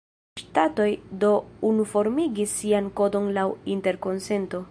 Ŝtatoj do unuformigis sian kodon laŭ interkonsento.